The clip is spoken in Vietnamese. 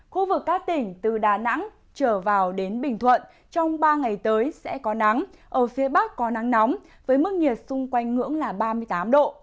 khu vực các tỉnh từ đà nẵng trở vào đến bình thuận trong ba ngày tới sẽ có nắng ở phía bắc có nắng nóng với mức nhiệt xung quanh ngưỡng là ba mươi tám độ